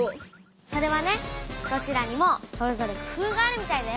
それはねどちらにもそれぞれ工夫があるみたいだよ。